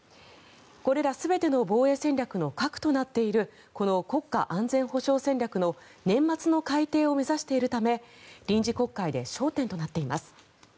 これら全ての防衛戦略の核となっているこの国家安全保障戦略の年末の改定を目指しているため臨時国会で焦点となっています。